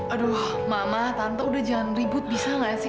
aduh mama tante udah jangan ribut bisa gak sih